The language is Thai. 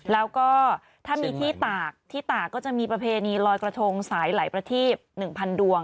แล้วก็ถ้ามีที่ตากที่ตากก็จะมีประเพณีลอยกระทงสายหลายประทีบ๑๐๐ดวง